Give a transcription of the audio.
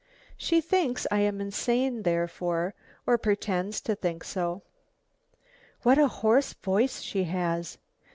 She thinks I am insane, therefore, or pretends to think so. "What a hoarse voice she has.